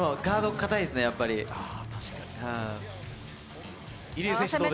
固いですね、やっぱりね。